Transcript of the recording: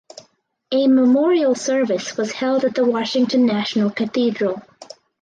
A memorial service was held at the Washington National Cathedral.